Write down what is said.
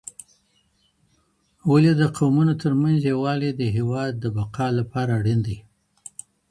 ولي د قومونو ترمنځ یووالی د هېواد د بقا لپاره اړین دی؟